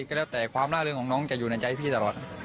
ก็แล้วแต่ความล่าเริงของน้องจะอยู่ในใจพี่ตลอด